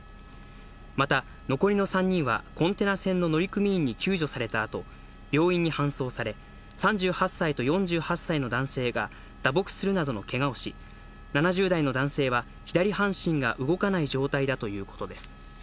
また、残りの３人はコンテナ船の乗組員に救助された後、病院に搬送され、３８歳と４８歳の男性が打撲するなどのけがをし、７０代の男性は左半身が動かない状態だということです。